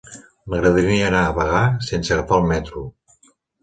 M'agradaria anar a Bagà sense agafar el metro.